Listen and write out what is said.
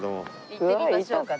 行ってみましょうか。